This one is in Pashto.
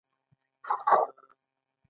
د اناپلاسیا د حجرو بشپړ بې نظمي ده.